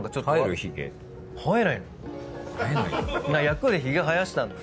役でヒゲ生やしたの。